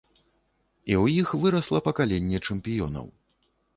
І ў іх вырасла пакаленне чэмпіёнаў.